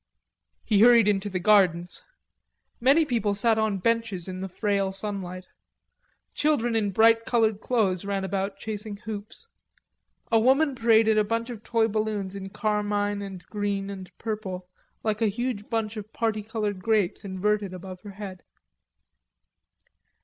He hurried into the gardens. Many people sat on benches in the frail sunlight. Children in bright colored clothes ran about chasing hoops. A woman paraded a bunch of toy balloons in carmine and green and purple, like a huge bunch of parti colored grapes inverted above her head.